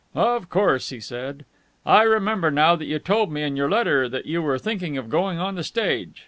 "Of course," he said. "I remember now that you told me in your letter that you were thinking of going on the stage.